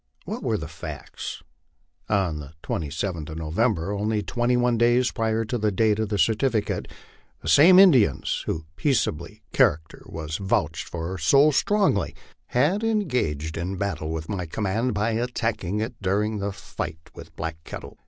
What were the facts? On the 27th of November, only twenty one days prior to the date of the certificate, the same Indians, whose peaceable charac ter was vouched for so strongly, had engaged in battle with my command by attacking it during the fight with Black Kettle.